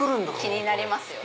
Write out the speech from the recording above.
気になりますよね。